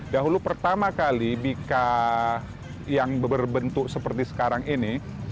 dahulu pertama kali bika yang berbentuk seperti sekarang ini